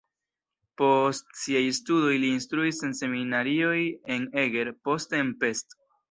Post siaj studoj li instruis en seminarioj en Eger, poste en Pest.